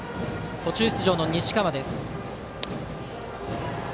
途中出場の西川です。